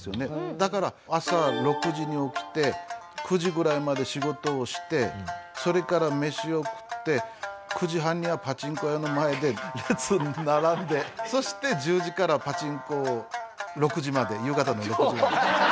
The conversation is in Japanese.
だから朝６時に起きて９時ぐらいまで仕事をしてそれから飯を食って９時半にはパチンコ屋の前で列に並んでそして１０時からパチンコを６時まで夕方の６時まで。